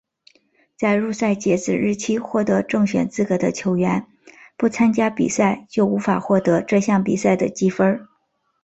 在入赛截止日期获得正选资格的球员不参加比赛就无法获得这项比赛的积分。